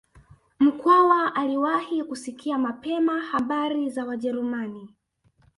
Mkwawa aliwahi kusikia mapema habari za Wajerumani